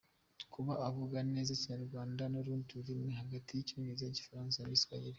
Kuba avuga neza Ikinyarwanda n’urundi rurimi, hagati y’Icyongereza, Igifaransa n’Igiswahili.